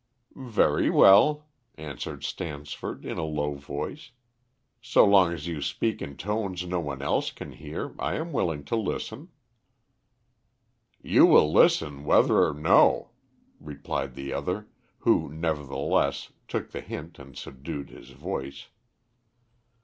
"Very well," answered Stansford, in a low voice; "so long as you speak in tones no one else can hear, I am willing to listen." "You will listen, whether or no," replied the other, who, nevertheless, took the hint and subdued his voice.